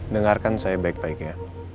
dengarkan saya baik baik ya